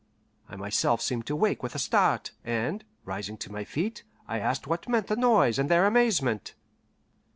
I myself seemed to wake with a start, and, rising to my feet, I asked what meant the noise and their amazement.